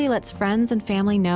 yang cepat membuat teman dan keluarga